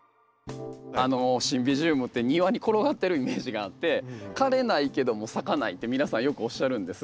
シンビジウムって庭に転がってるイメージがあって枯れないけども咲かないって皆さんよくおっしゃるんです。